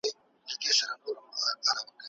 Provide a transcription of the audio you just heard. غچ به تا نشه کړي.